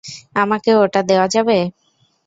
আমাকেও ওটা দেওয়া যাবে?